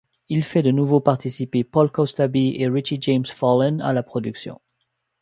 Il fait de nouveau participer Paul Kostabi et Richie James Follin à la production.